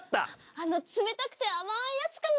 あの冷たくてあまいやつかも。